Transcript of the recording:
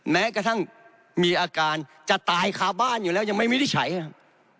แม้กระทั่งมีอาการจะตายคาบ้านอยู่แล้วยังไม่วินิจฉัยครับ